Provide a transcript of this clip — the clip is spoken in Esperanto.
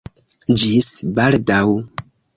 Ĝis baldaŭ!